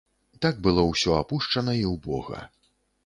Так было ўсё апушчана і ўбога.